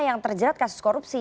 yang terjerat kasus korupsi